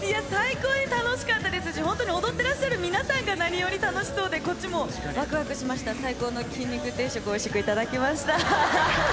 最高に楽しかったですし、本当に踊ってらっしゃる皆さんが何より楽しそうで、こっちもわくわくしました、最高の筋肉定食、おいしく頂きました。